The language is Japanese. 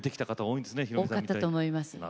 多かったと思います。